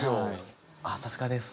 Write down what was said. ああさすがです！